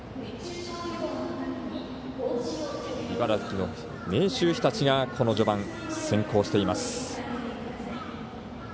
茨城の明秀日立が、この序盤先行しています。